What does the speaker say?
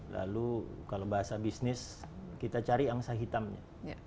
lalu kalau bahasa bisnis kita cari angsa hitamnya